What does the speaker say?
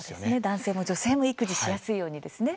男性も女性も育児しやすいようにですね。